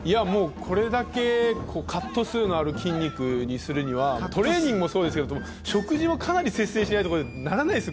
これだけカット数のある筋肉にするのはトレーニングもですが食事も節制しないとならないですよ。